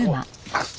あっ。